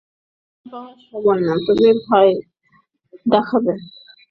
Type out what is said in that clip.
এখন ভয় পাওয়ার সময় না, তুমি ভয় দেখাবে।